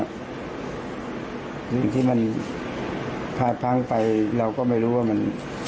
สิ่งที่มันพลาดพังไปเราก็ไม่รู้ว่ามัน